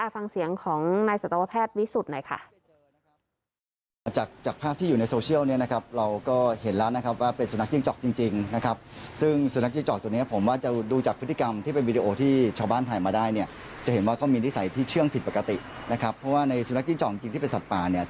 ฟังเสียงของนายสัตวแพทย์วิสุทธิ์